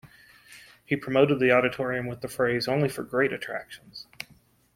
He promoted the auditorium with the phrase "Only for great attractions".